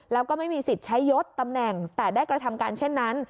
แล้วก็ไม่มีสิทธิ์ใช้ยศตำแหน่งแต่ได้กระทำการเช่นนั้น